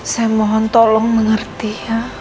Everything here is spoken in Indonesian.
saya mohon tolong mengerti